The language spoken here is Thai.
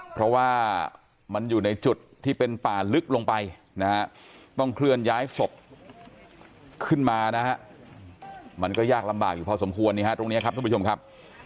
เพราะว่ามันอยู่ในจุดที่เป็นป่าลึกลงไปนะฮะต้องเคลื่อนย้ายศพขึ้นมานะฮะมันก็ยากลำบากอยู่พอสมควรตรงนี้ครับทุกผู้ชมครับ